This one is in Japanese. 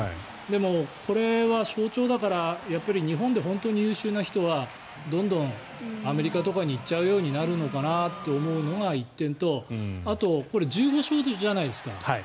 でも、これは象徴だからやっぱり日本で本当に優秀な人はどんどんアメリカとかに行っちゃうようになるのかなと思うのが１点とあと、これ１５勝じゃないですか。